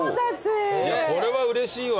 これはうれしいわ。